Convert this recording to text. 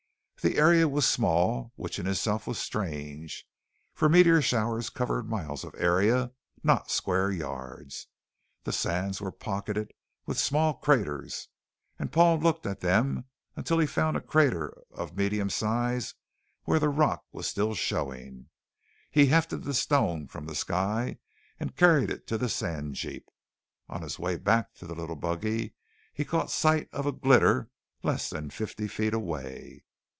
The area was small, which in itself was strange, for meteor showers cover miles of area, not square yards. The sands were pocked with small craters, and Paul looked at them until he found a crater of medium size where the rock was still showing. He hefted the stone from the sky and carried it to the sand jeep. On his way back to the little buggy, he caught sight of a glitter less than fifty feet away.